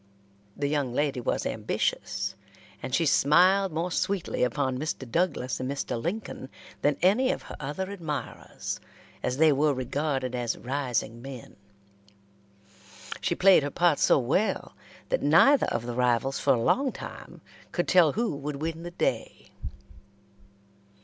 The young lady was ambitious, and she smiled more sweetly upon Mr. Douglas and Mr. Lincoln than any of her other admirers, as they were regarded as rising men. She played her part so well that neither of the rivals for a long time could tell who would win the day.